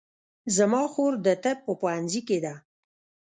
زما خور د طب په پوهنځي کې ده